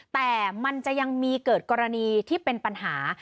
แต่มันจะยังมีเกิดกรณีที่เป็นปัญหา